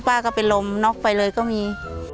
บางครั้งป้าก็เป็นลมนอกไปเลยก็มี